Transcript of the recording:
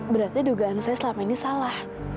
berarti dugaan saya selama ini salah